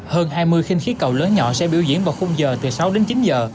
hơn hai mươi khinh khí cầu lớn nhỏ sẽ biểu diễn vào khung giờ từ sáu đến chín giờ